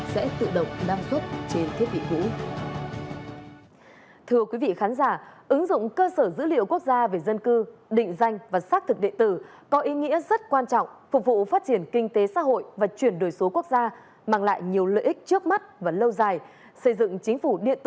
sẽ tự động đăng xuất trên thiết bị cũ